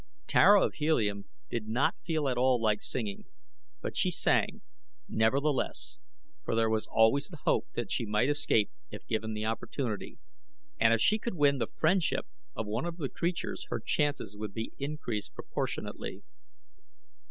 Tara of Helium did not feel at all like singing, but she sang, nevertheless, for there was always the hope that she might escape if given the opportunity and if she could win the friendship of one of the creatures, her chances would be increased proportionately.